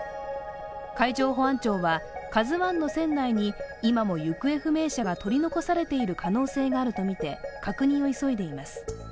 海上保安庁は「ＫＡＺＵⅠ」の船内に今も行方不明者が取り残されている可能性があるとみて確認を急いでいます。